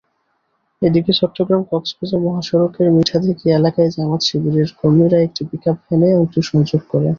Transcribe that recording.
এদিকে চট্টগ্রাম-কক্সবাজার মহাসড়কের মিঠাদীঘি এলাকায় জামায়াত-শিবিরের কর্মীরা একটি পিকআপভ্যানে অগ্নিসংযোগ করে।